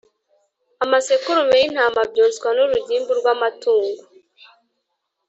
amasekurume y’intama byoswa n’urugimbu rw’amatungo